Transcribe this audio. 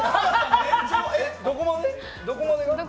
どこまでが？